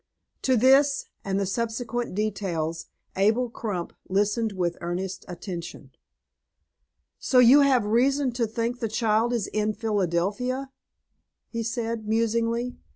To this, and the subsequent details, Abel Crump listened with earnest attention. "So you have reason to think the child is in Phildelphia?" he said, musingly.